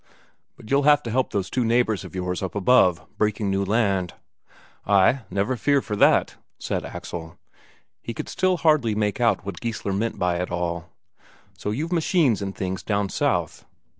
"But you'll have to help those two neighbours of yours up above, breaking new land." "Ay, never fear for that," said Axel; he could still hardly make out what Geissler meant by it all. "So you've machines and things down south?"